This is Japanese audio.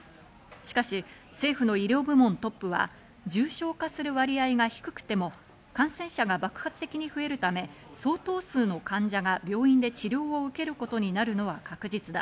しかし政府の医療部門トップは重症化する割合が低くても感染者が爆発的に増えるため、相当数の患者が病院で治療を受けることになるのは確実だ。